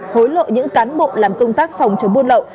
hối lộ những cán bộ làm công tác phòng chống buôn lậu